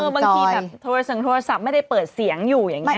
บางทีแบบโทรศัพท์ไม่ได้เปิดเสียงอยู่อย่างนี้